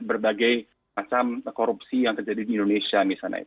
berbagai macam korupsi yang terjadi di indonesia misalnya